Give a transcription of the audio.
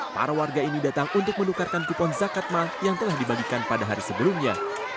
para warga ini datang untuk menukarkan kupon zakat mal yang telah dibagikan pada hari sebelumnya